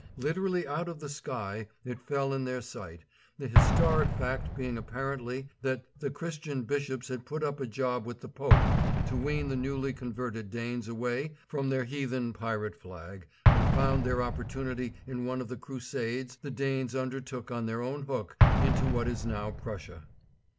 Literally out of the sky it fell in their sight, the historic fact being apparently that the Christian bishops had put up a job with the Pope to wean the newly converted Danes away from their heathen pirate flag and found their opportunity in one of the crusades the Danes undertook on their own hook into what is now Prussia.